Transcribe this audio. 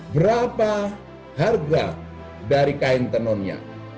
berapa harga dari kain tenunnya